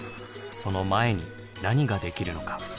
その前に何ができるのか。